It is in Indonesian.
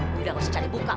udah nggak usah cari buka